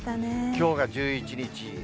きょうが１１日。